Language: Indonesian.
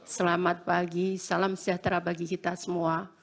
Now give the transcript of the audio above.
selamat pagi salam sejahtera bagi kita semua